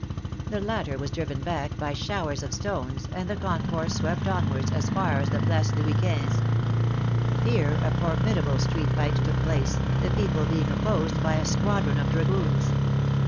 The latter were driven back by showers of stones, and the concourse swept onwards as far as the Place Louis XV. Here a formidable street fight took place, the people being opposed by a squadron of dragoons.